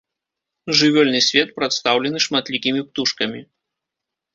Жывёльны свет прадстаўлены шматлікімі птушкамі.